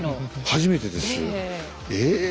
初めてです。え。